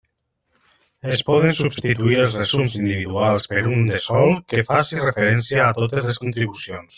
Es poden substituir els resums individuals per un de sol que faci referència a totes les contribucions.